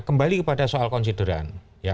kembali kepada soal konsideran